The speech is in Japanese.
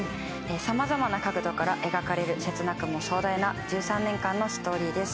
様々な角度から描かれる切なくも壮大な１３年間のストーリーです。